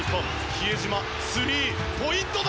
比江島、スリーポイントだ！